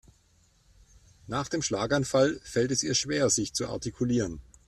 Nach dem Schlaganfall fällt es ihr schwer sich zu artikulieren.